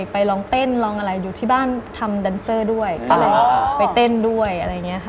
ไปลองเต้นลองอะไรอยู่ที่บ้านทำดันเซอร์ด้วยก็เลยไปเต้นด้วยอะไรอย่างนี้ค่ะ